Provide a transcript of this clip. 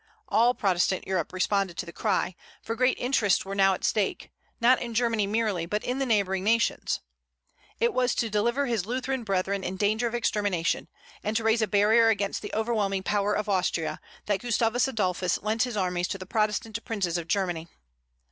All Protestant Europe responded to the cry; for great interests were now at stake, not in Germany merely, but in the neighboring nations. It was to deliver his Lutheran brethren in danger of extermination, and to raise a barrier against the overwhelming power of Austria, that Gustavus Adolphus lent his armies to the Protestant princes of Germany.